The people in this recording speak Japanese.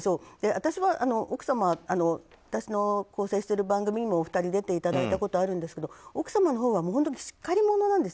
私は、奥様私の構成している番組にもお二人に出てもらったことがあるんですが奥様のほうはしっかり者なんです。